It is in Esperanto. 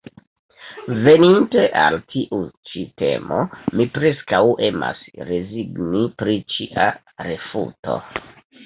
Veninte al tiu ĉi temo mi preskaŭ emas rezigni pri ĉia refuto.